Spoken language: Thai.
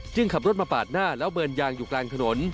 ขับรถมาปาดหน้าแล้วเบิร์นยางอยู่กลางถนน